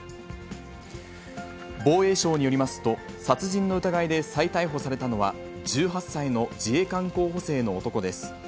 防衛省によりますと、殺人の疑いで再逮捕されたのは、１８歳の自衛官候補生の男です。